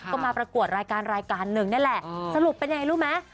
ก็มาประกวดรายการรายการหนึ่งนี่แหละสรุปเป็นยังไงรู้ไหม